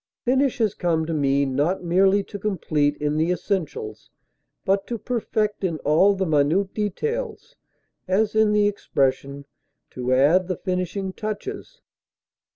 Finish has come to mean, not merely to complete in the essentials, but to perfect in all the minute details, as in the expression "to add the finishing touches."